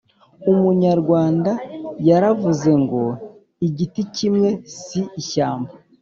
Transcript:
Umunyarwanda yaravuze ngo : “Igiti kimwe si ishyamba”